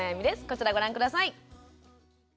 こちらをご覧下さい。